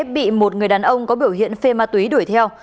bị một người đàn ông có biểu hiện phê ma túy đuổi theo